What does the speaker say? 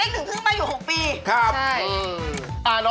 นี่เลขตั้งแต่๔ขวบหมายเลข๑เพิ่งมาอยู่๖ปี